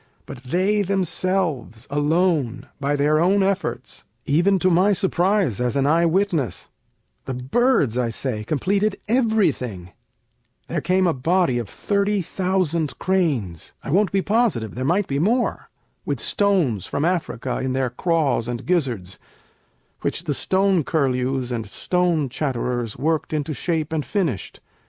But they themselves, alone, by their own efforts, (Even to my surprise, as an eye witness) The Birds, I say, completed everything: There came a body of thirty thousand cranes, (I won't be positive, there might be more) With stones from Africa in their craws and gizzards, Which the stone curlews and stone chatterers Worked into shape and finished.